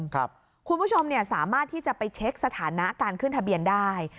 คุณผู้ชมสามารถที่จะไปเช็คสถานะการขึ้นทะเบียนได้